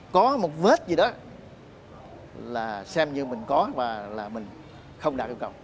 có một vết gì đó là xem như mình có và là mình không đạt yêu cầu